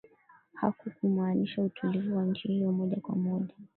hakukumaanisha utulivu wa nchi hiyo moja kwa moja